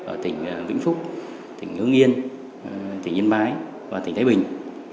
ở tỉnh vĩnh phúc tỉnh hương yên tỉnh yên bái và tỉnh thái bình